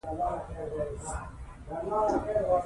افغانستان د خاوره په برخه کې نړیوال شهرت لري.